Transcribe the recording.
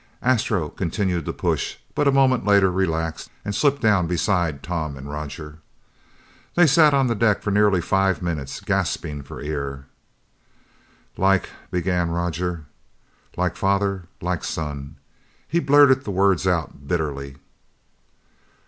Astro continued to push, but a moment later, relaxed and slipped down beside Tom and Roger. They sat on the deck for nearly five minutes gasping for air. "Like " began Roger, "like father like son!" He blurted the words out bitterly.